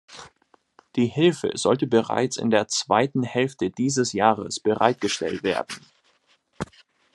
Die Hilfe sollte bereits in der zweiten Hälfte dieses Jahres bereitgestellt werden.